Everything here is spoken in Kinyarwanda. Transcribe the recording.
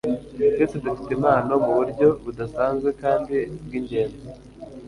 twese dufite impano muburyo budasanzwe kandi bw'ingenzi